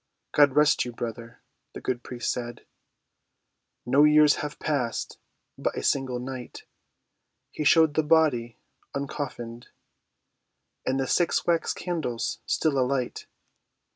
"God rest you, brother," the good priest said, "No years have passed—but a single night." He showed the body uncoffinèd, And the six wax candles still alight.